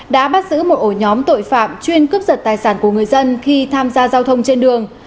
đã bắt giữ một ổ nhóm tội phạm chuyên cướp giật tài sản của người dân khi tham gia giao thông trên đường